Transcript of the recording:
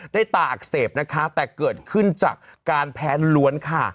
ตาอักเสบนะคะแต่เกิดขึ้นจากการแพ้ล้วนค่ะ